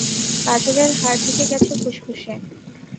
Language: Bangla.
পাঁজরের হাড় ঢুকে গেছে ফুসফুসে।